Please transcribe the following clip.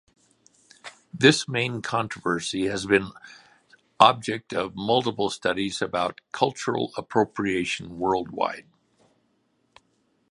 This main controversy has been object of multiple studies about cultural appropriation worldwide.